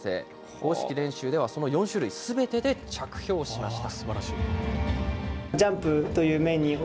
公式練習では、その４種類すべてで着氷しました。